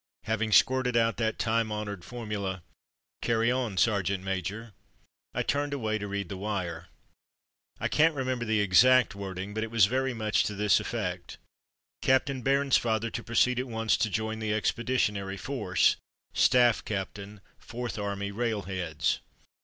Having squirted out that time honoured formula, "Carry on, sergeant major,'' I turned away to read the wire. I can't re member the ex act wording, but it was very much to this effect : "C a p t ain Bairnsfather to proceed at once to join the Ex peditionary Force, Staff Capt. Fourth Army Railheads."